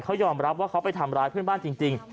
เขายอมรับว่าเขาไปทำร้ายเพื่อนบ้านจริง